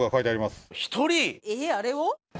えあれを！？